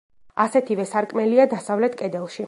ასეთივე სარკმელია დასავლეთ კედელში.